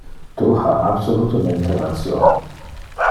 Tu ha absolutemente ration.